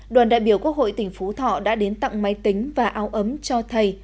đoàn đại biểu quốc hội tỉnh phú thọ đã đến tặng máy tính và áo ấm cho thầy